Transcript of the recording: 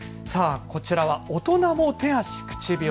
こちらは大人も手足口病。